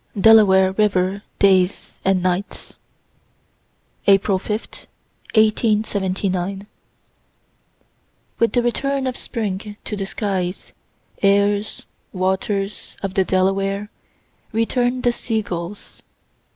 DELAWARE RIVER DAYS AND NIGHTS April 5, 1879. With the return of spring to the skies, airs, waters of the Delaware, return the sea gulls.